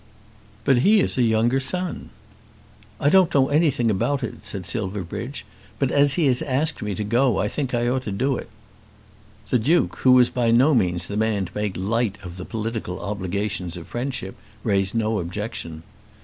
"But he is a younger son." "I don't know anything about it," said Silverbridge, "but as he has asked me to go I think I ought to do it." The Duke, who was by no means the man to make light of the political obligations of friendship, raised no objection.